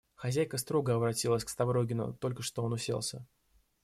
Хозяйка строго обратилась к Ставрогину, только что он уселся.